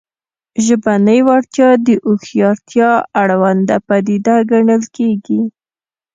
ژبنۍ وړتیا د هوښیارتیا اړونده پدیده ګڼل کېږي